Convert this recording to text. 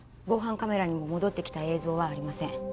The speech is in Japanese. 防犯カメラにも戻ってきた映像はありません